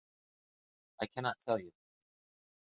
I cannot tell you.